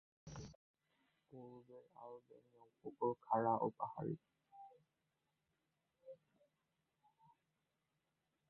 পূর্বের আলবেনীয় উপকূল খাড়া ও পাহাড়ি।